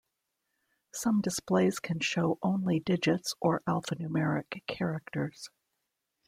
Some displays can show only digits or alphanumeric characters.